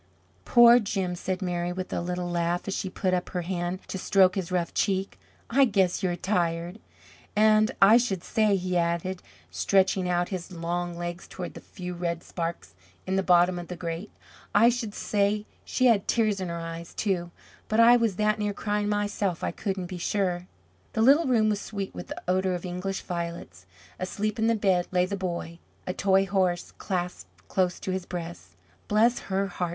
"Poor Jim!" said Mary, with a little laugh as she put up her hand to stroke his rough cheek. "I guess you're tired." "And I should say," he added, stretching out his long legs toward the few red sparks in the bottom of the grate, "I should say she had tears in her eyes, too, but I was that near crying myself I couldn't be sure." The little room was sweet with the odour of English violets. Asleep in the bed lay the boy, a toy horse clasped close to his breast. "Bless her heart!"